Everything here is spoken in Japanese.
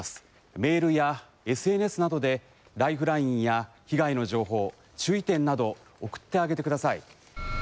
メールやＳＮＳなどでライフラインや被害の情報、注意点など、送ってあげてください。